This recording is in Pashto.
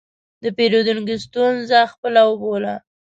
د پیرودونکي ستونزه خپله وبوله.